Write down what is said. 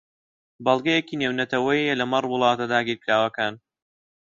بەڵگەیەکی نێونەتەوەیییە لەمەڕ وڵاتە داگیرکراوەکان